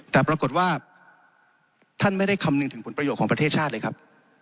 แต่ปรากฏว่าท่านไม่ได้คำนึงถึงผลประโยชน์ของประเทศชาติเลยครับ